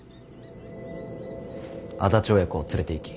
安達親子を連れていき